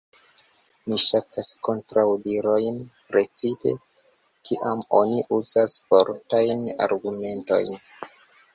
Mi ŝatas kontraŭdirojn, precipe kiam oni uzas fortajn argumentojn.